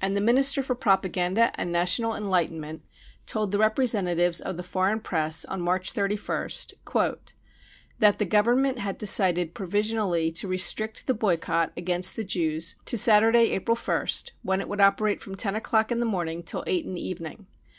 And the Minister for Propaganda and National Enlightenment told the representatives of the foreign Press on March 31st :" That the Government had decided provisionally to restrict the boycott against the Jews to Saturday, April 1st, when it would operate from ten o'clock in the morning till eight in the evening.